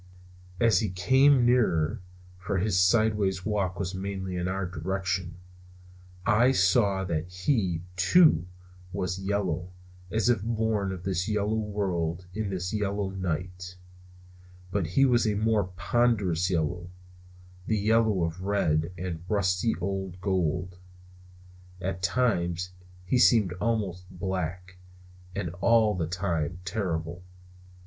As he came nearer for his sidewise walk was mainly in our direction I saw that he, too, was yellow, as if born of this yellow world in this yellow night; but his was a more ponderous yellow; the yellow of red and rusty old gold. At times he seemed almost black; and all the time terrible.